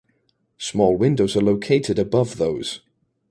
Small windows are located above those.